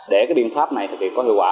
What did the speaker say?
để cái biên pháp này có hiệu quả